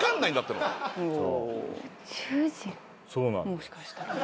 もしかしたら。